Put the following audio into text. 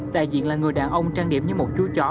đại diện là người đàn ông trang điểm như một chú chó